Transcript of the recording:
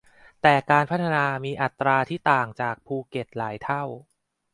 แต่การพัฒนามีอัตราที่ต่างจากภูเก็ตหลายเท่า